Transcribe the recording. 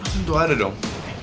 tentu ada dong